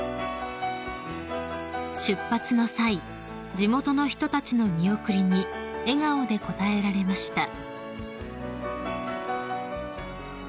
［出発の際地元の人たちの見送りに笑顔で応えられました］